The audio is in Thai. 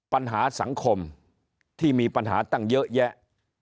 ปัญหาสังคมที่มีปัญหาตั้งเยอะแยะ